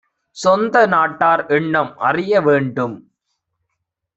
சொந்தநாட் டார்எண்ணம் அறிய வேண்டும்.